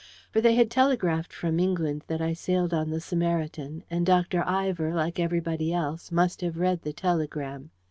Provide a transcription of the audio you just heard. For they had telegraphed from England that I sailed on the Sarmatian; and Dr. Ivor, like everybody else, must have read the telegram.